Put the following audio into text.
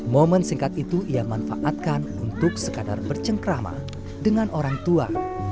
momen singkat itu ia manfaatkan untuk sekadar bercengkrama dengan orang tua